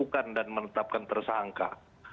tentukan dan menetapkan tersangka